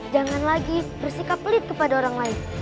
jangan lagi bersikap pelit kepada orang lain